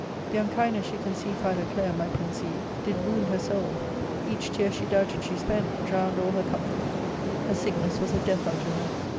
The unkindness she conceived Philoclea might conceive did wound her soul ; each tear she doubted she spent drowned all her comfort Her sickness was a death unto her.